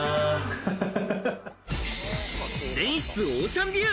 全室オーシャンビュー！